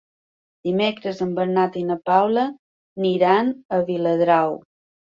Dimecres en Bernat i na Paula iran a Viladrau.